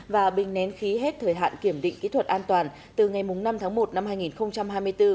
và bình nén khí hết thời hạn kiểm định kỹ thuật an toàn từ ngày năm tháng một năm hai nghìn hai mươi bốn